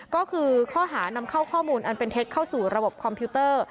ก็คือข้อหานำเข้าข้อมูลอันเป็นเท็จเข้าสู่ระบบคอมพิวเตอร์